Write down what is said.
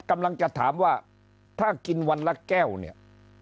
กำลังจะถามว่าถ้ากินวันละแก้วเนี่ย